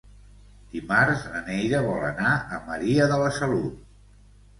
Dimarts na Neida vol anar a Maria de la Salut.